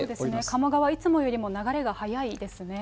鴨川、いつもよりも流れが速いですね。